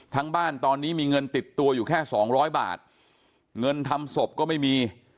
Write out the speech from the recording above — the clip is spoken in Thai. บ้านตอนนี้มีเงินติดตัวอยู่แค่สองร้อยบาทเงินทำศพก็ไม่มี